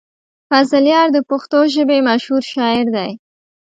فضلیار د پښتو ژبې مشهور شاعر دی.